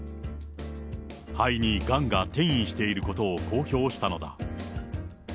肺にがんが転移していることを公表したのだ。